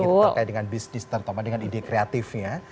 terkait dengan bisnis terutama dengan ide kreatifnya